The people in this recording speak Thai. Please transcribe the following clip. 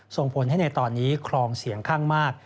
ส่งผลให้ในตอนนี้คลองเสียงข้างมาก